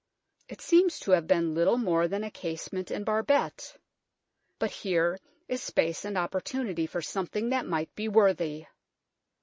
It seems to have been little more than a casement and barbette. But here is space and opportunity for some thing that might be worthy.